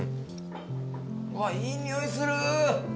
うわっいい匂いする。